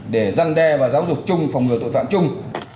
để giăn đe và giáo dục chung phòng ngừa tội phạm chung